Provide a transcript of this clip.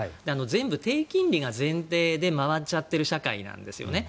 全部、低金利が前提で回っちゃっている社会なんですよね。